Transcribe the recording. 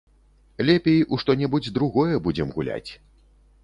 Лепей у што-небудзь другое будзем гуляць.